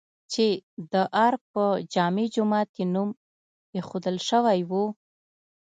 چې د ارګ په جامع جومات یې نوم ايښودل شوی و؟